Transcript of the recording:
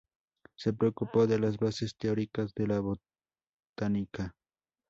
Se preocupó de las bases teóricas de la botánica.